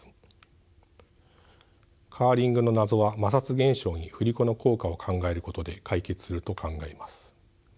カーリングの謎は摩擦現象に振り子の効果を考えることで解決すると考えます。